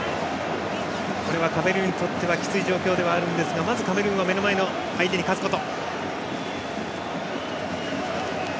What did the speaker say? これはカメルーンにとってはきつい状況ですがまずカメルーンは目の前の相手に勝つこと。